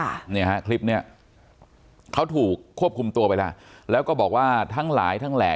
เนี่ยฮะคลิปเนี้ยเขาถูกควบคุมตัวไปแล้วแล้วก็บอกว่าทั้งหลายทั้งแหล่